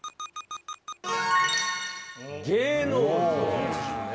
「芸能人」ね。